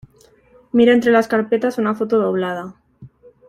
mira entre las carpetas una foto doblada.